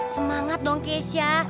semangat dong keisha